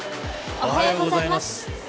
おはようございます。